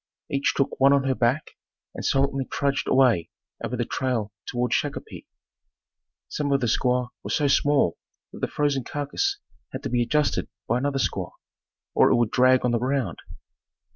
Each took one on her back and silently trudged away over the trail toward Shakopee. Some of the squaws were so small that the frozen carcass had to be adjusted by another squaw or it would drag on the ground.